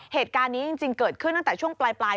เหตุการณ์นี้จริงเกิดขึ้นตั้งแต่ช่วงปลาย